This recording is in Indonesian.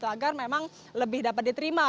agar memang lebih dapat diterima